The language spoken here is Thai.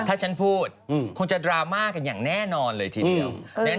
ถ้าฉันพูดคงจะดราม่ากันอย่างแน่นอนเลยทีเดียว